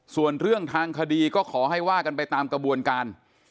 ส่วนเรื่องทางคดีก็ขอให้ว่ากันไปตามกระบวนการ